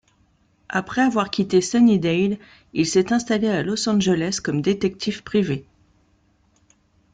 Après avoir quitté Sunnydale, il s'est installé à Los Angeles comme détective privé.